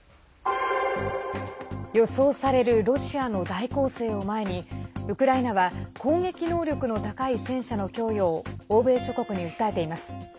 予想されるロシアの大攻勢を前にウクライナは攻撃能力の高い戦車の供与を欧米諸国に訴えています。